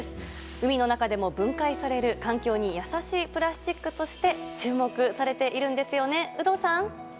海の中でも分解される環境に優しいプラスチックとして注目されているんですよね有働さん。